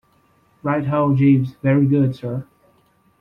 'Right ho, Jeeves.' 'Very good, sir.'